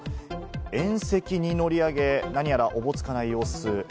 縁石に乗り上げ、何やらおぼつかない様子。